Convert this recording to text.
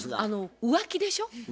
浮気でしょ？